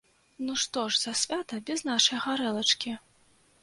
Ну што ж за свята без нашай гарэлачкі?